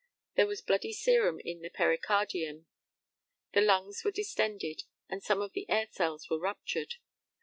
There was bloody serum in the pericardium; the lungs were distended, and some of the air cells were ruptured.